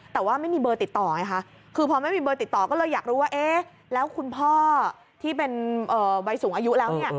แต่ว่าไม่มีเบอร์ติดต่อไงคะคือพอไม่มีเบอร์ติดต่อก็เลยอยากรู้ว่าเอ๊ะแล้วคุณพ่อที่เป็นวัยสูงอายุแล้วเนี่ย